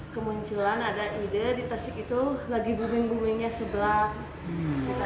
kemudian ada ide di tasik itu lagi buming bumingnya sebelak